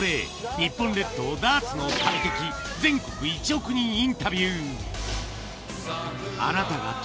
日本列島ダーツの旅的全国１億人インタビュー。